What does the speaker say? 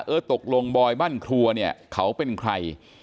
ตกลงบอยบ้านครัวเนี่ยเขาเป็นใคร